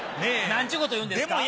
何ちゅうこと言うんですか。